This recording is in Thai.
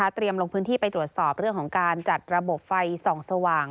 ลงพื้นที่ไปตรวจสอบเรื่องของการจัดระบบไฟส่องสว่าง